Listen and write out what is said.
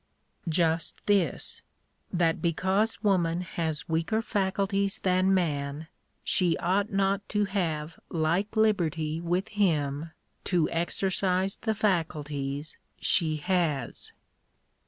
Just this, — that because woman has weaker faculties than man, she ought not to have like liberty with him, to exercise the faculties she has!